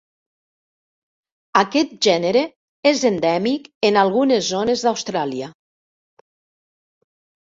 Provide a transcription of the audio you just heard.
Aquest gènere és endèmic en algunes zones d'Austràlia.